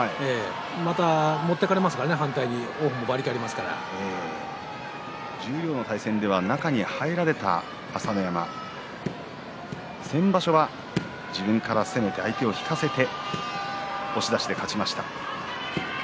また反対に持っていかれますから十両の対戦では中に入られた朝乃山先場所は自分から攻めて相手を引かせて押し出しで勝ちました。